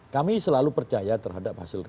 kami selalu percaya terhadap hasil revi